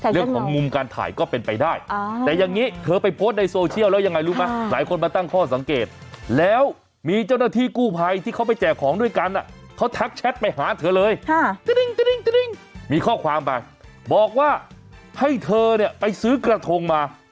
แสงชัดหน่อยเนี่ยแล้วหนูมุมการถ่ายก็เป็นไปได้